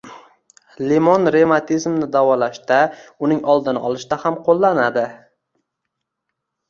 Limon revmatizmni davolashda, uning oldini olishda ham qo‘llanadi.